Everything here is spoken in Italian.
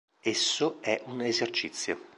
Esso è un esercizio.